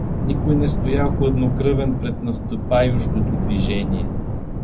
Никой не стоял хладнокръвен пред настъпающото движение.